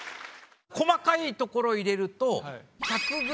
細かいところ入れるとえ！